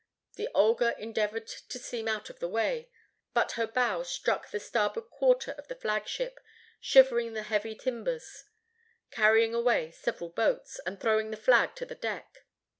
The Olga endeavored to steam out of the way, but her bow struck the starboard quarter of the flagship, shivering the heavy timbers, carrying away several boats, and throwing the flag to the deck.